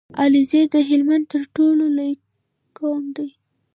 عليزی د هلمند تر ټولو لوی قوم دی